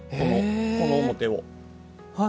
この面を。